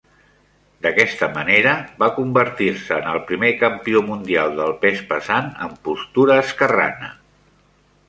D'aquesta manera, va convertir-se en el primer campió mundial del pes pesant amb postura esquerrana.